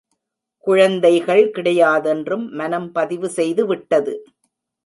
குழந்தைகள் கிடையாதென்றும் மனம் பதிவு செய்து விட்டது.